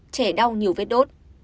trẻ đau nhiều vết đốt